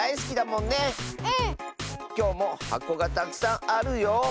きょうもはこがたくさんあるよ。